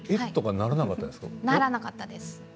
ならなかったです